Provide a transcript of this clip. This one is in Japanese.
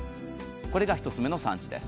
これが１つ目の産地です。